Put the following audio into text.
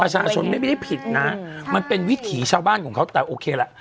ไม่ได้ผิดนะมันเป็นวิถีชาวบ้านของเขาแต่โอเคละ